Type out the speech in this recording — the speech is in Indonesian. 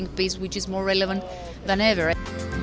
untuk membawa kebebasan yang lebih relevan daripada pernah